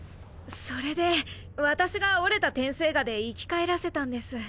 それで私が折れた天生牙で生き返らせたんです。